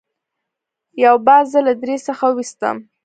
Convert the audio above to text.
یو باز زه له درې څخه وویستم.